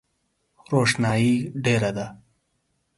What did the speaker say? روښنایي ډېره ده .